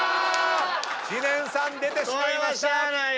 知念さん出てしまいました！